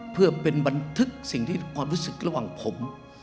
เพื่อเป็นบันทึกสิ่งที่ความรู้สึกระหว่างผม